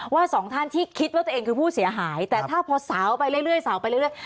ว่า๒ท่านที่คิดว่าตัวเองคือผู้เสียหายแต่ถ้าพอสาวไปเรื่อย